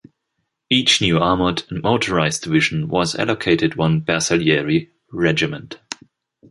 Each new armoured and motorised division was allocated one Bersaglieri regiment.